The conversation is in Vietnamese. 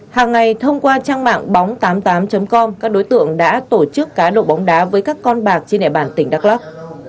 hàng ngày thông qua trang mạng bóng tám mươi tám com các đối tượng đã tổ chức cá độ bóng đá với các con bạc trên địa bàn tỉnh đắk lắc